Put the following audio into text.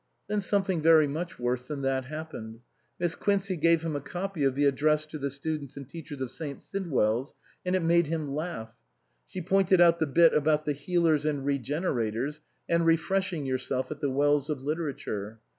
Then something very much worse than that happened ; Miss Quincey gave him a copy of the " Address to the Students and Teachers of St. Sidwell's," and it made him laugh. She pointed out the bit about the healers and regenerators, and refreshing yourself at the wells of literature.